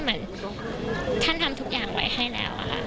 มันทุกอย่างไว้ให้แล้วค่ะ